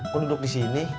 kok duduk disini